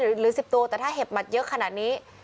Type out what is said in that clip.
หรือ๑๐ตัวแต่ถ้าเห็บหมัดเยอะขนาดนี้